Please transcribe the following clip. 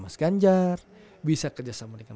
mas ganjar bisa kerjasama dengan